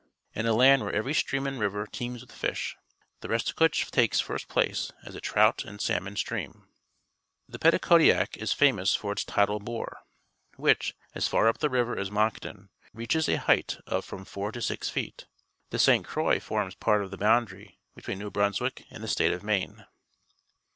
In a land where e\ ery stream and river teems with fish, the Restigouche takes first place as a trout and salmon stream. The Petitcodia c is famous for its " tidal bore," which, as far up the river as Moncton, reaches a height of from four to six feet. See page ||^ Th e St. Croix forms part of the boundary between New B runsmck and the s tate o f IMaine.